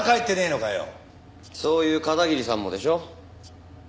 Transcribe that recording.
そういう片桐さんもでしょ。